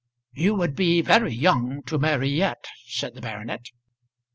"You would be very young to marry yet," said the baronet.